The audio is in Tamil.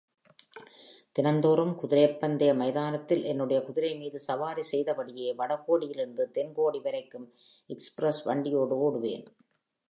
தினந்தோறும் குதிரைப் பந்தய மைதானத்தில் என்னுடைய குதிரைமீது சவாரி செய்தபடியே, வடகோடியிலிருந்து தென்கோடி வரைக்கும் எக்ஸ்பிரஸ் வண்டியோடு ஒடுவேன்.